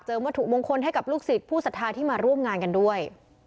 วัตถุมงคลให้กับลูกศิษย์ผู้สัทธาที่มาร่วมงานกันด้วย